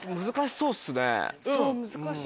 そう難しい。